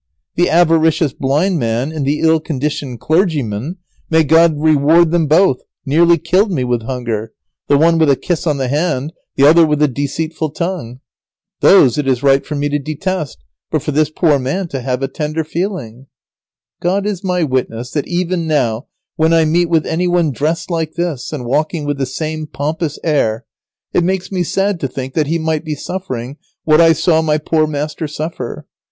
The avaricious blind man and the ill conditioned clergyman, may God reward them both! nearly killed me with hunger, the one with a kiss on the hand, the other with a deceitful tongue. Those it is right for me to detest, but for this poor man to have a tender feeling." God is my witness that even now when I meet with any one dressed like this, and walking with the same pompous air, it makes me sad to think that he might be suffering what I saw my poor master suffer. [Sidenote: Lazaro has a kindly feeling for his third master.